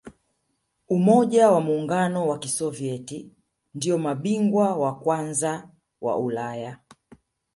umoja wa muungano wa kisovieti ndiyo mabingwa wa kwanza wa ulaya